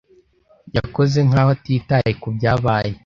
Yakoze nkaho atitaye kubyabaye.